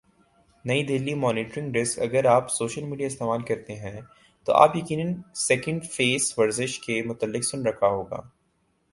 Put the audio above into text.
نئی Delhi monitoring desk اگر آپ سوشل میڈیا استعمال کرتے ہیں تو آپ یقینا سیکنڈ فیس ورزش کے متعلق سن رکھا ہو گا